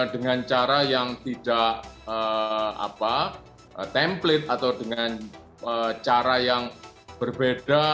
dengan cara yang tidak template atau dengan cara yang berbeda